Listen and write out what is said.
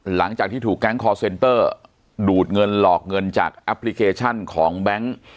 หลังจากที่ถูกแก๊งคอร์เซนเตอร์ดูดเงินหลอกเงินจากแอปพลิเคชันของแบงค์